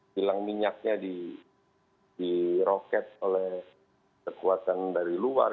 kilang minyaknya diroket oleh kekuatan dari luar